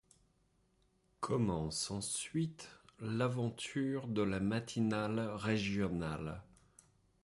Commence ensuite l'aventure de la matinale régionale.